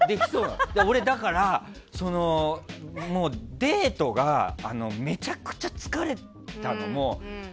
俺はデートがめちゃくちゃ疲れたの。